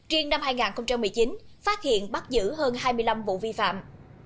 riêng năm hai nghìn một mươi chín phát hiện bắt giữ hơn hai mươi năm vụ vi phạm